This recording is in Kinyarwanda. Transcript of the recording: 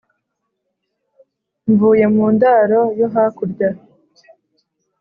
mvuye mundaro yo hakurya